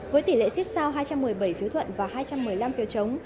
với tỷ lệ xích sao hai trăm một mươi bảy phiếu thuận và hai trăm một mươi năm phiếu chống